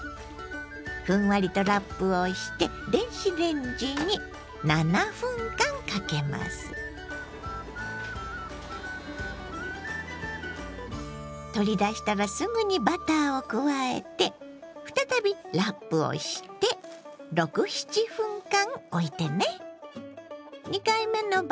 ふんわりとラップをして取り出したらすぐにバターを加えて再びラップをして６７分間おいてね。